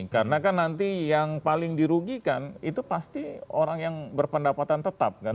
karena kan nanti yang paling dirugikan itu pasti orang yang berpendapatan tetap kan